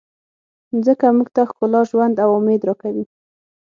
مځکه موږ ته ښکلا، ژوند او امید راکوي.